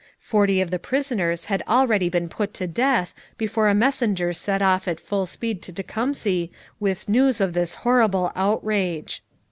Forty of the prisoners had already been put to death before a messenger set off at full speed to Tecumseh with news of this horrible outrage.